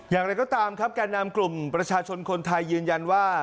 อย่างไรก็ตามครับแก่นำกลุ่มประชาชนคนไทยยืนยันว่า